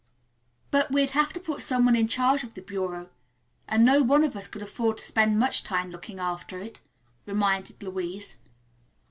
"But we'd have to put some one in charge of the bureau, and no one of us could afford to spend much time looking after it," reminded Louise.